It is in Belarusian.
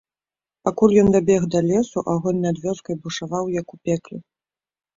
Пакуль ён дабег да лесу, агонь над вёскай бушаваў, як у пекле.